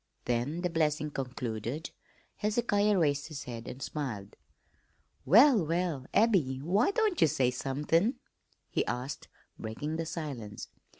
Then, the blessing concluded, Hezekiah raised his head and smiled. "Well, well, Abby, why don't ye say somethin'?" he asked, breaking the silence.